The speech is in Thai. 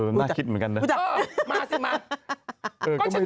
นะคริสเหมือนกันนะนะครับมาสิมาแกก็ไม่ดูเหมือนกันนะครับ